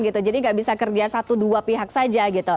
jadi tidak bisa kerja satu dua pihak saja